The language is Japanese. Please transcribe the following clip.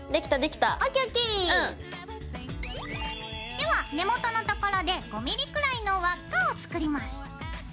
では根元の所で５ｍｍくらいの輪っかを作ります。